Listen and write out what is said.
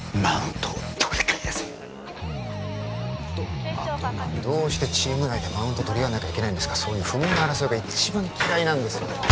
マウントを取り返せどうしてチーム内でマウント取り合わなきゃいけないんですかそういう不毛な争いが一番嫌いなんですよ